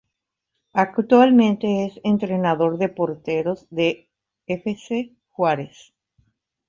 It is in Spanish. Actualmente es entrenador de porteros de Fc Juarez.